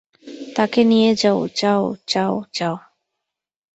তাকে নিয়ে যাও, যাও, যাও, যাও।